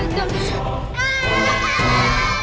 nggak nggak kena